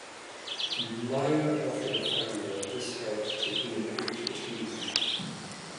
Meier after the founder; this helped to heal the breach between them.